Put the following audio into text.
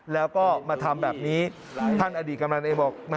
แล้วก็มาทำแบบนี้ท่านอดีตกำนันเองบอก